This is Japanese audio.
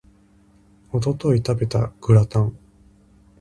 一昨日食べたグラタン